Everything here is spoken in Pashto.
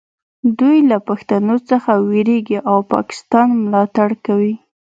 دوی له پښتنو څخه ویریږي او پاکستان ملاتړ کوي